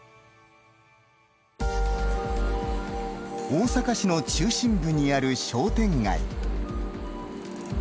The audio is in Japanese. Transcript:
大阪市の中心部にある商店街。